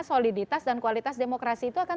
soliditas dan kualitas demokrasi itu akan